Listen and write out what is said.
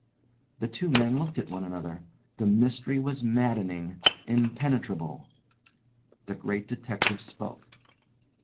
The two men looked at one another. The mystery was maddening, impenetrable. The Great Detective spoke.